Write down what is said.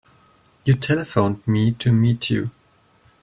You telephoned me to meet you.